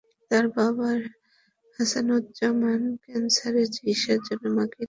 তাঁর বাবা হাসানুজ্জামান ক্যানসারের চিকিৎসার জন্য মাকে নিয়ে বর্তমানে চেন্নাই অবস্থান করছেন।